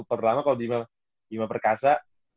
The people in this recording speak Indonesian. pertama kalo di bima perkasa